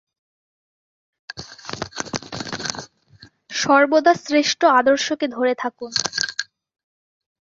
সর্বদা শ্রেষ্ঠ আদর্শকে ধরে থাকুন।